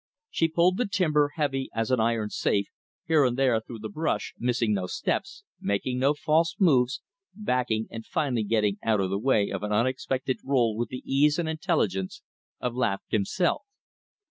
She pulled the timber, heavy as an iron safe, here and there through the brush, missing no steps, making no false moves, backing, and finally getting out of the way of an unexpected roll with the ease and intelligence of Laveque himself.